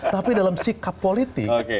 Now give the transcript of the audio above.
tapi dalam sikap politik